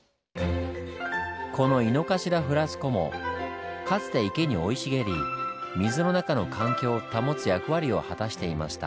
このイノカシラフラスコモかつて池に生い茂り水の中の環境を保つ役割を果たしていました。